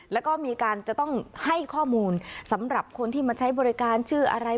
แล้วก็มีการจะต้องให้ข้อมูลสำหรับคนที่มาใช้บริการชื่ออะไร